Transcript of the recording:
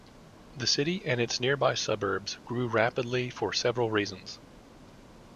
The city and its nearby suburbs grew rapidly for several reasons.